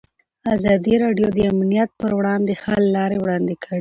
ازادي راډیو د امنیت پر وړاندې د حل لارې وړاندې کړي.